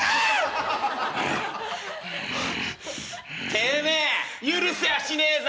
「てめえ許しゃしねえぞ。